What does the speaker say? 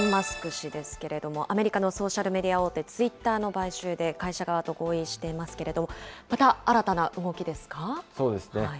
氏ですけれども、アメリカのソーシャルメディア大手、ツイッターの買収で会社側と合意していますけれど、また新たそうですね。